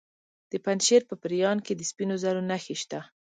د پنجشیر په پریان کې د سپینو زرو نښې شته.